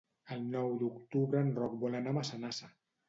El nou d'octubre en Roc vol anar a Massanassa.